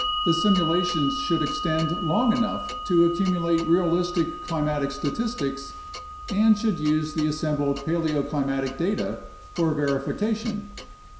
The simulations should extend long enough to accumulate realistic climatic statistics and should use the assembled paleoclimatic data for vertification.